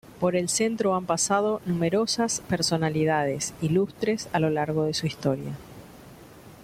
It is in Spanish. Por el centro han pasado numerosas personalidades ilustres a lo largo de su historia.